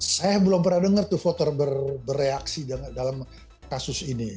saya belum pernah dengar tuh voter bereaksi dalam kasus ini